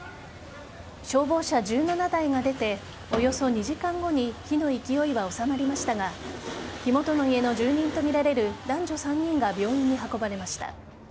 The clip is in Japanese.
消防車１７台が出ておよそ２時間後に火の勢いは収まりましたが火元の家の住人とみられる男女３人が病院に運ばれました。